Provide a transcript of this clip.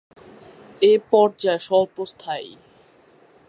এ পর্যায় স্বল্প স্থায়ী।